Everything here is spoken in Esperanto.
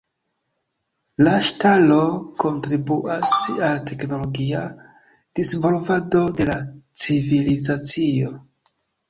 La ŝtalo kontribuas al teknologia disvolvado de la civilizacio.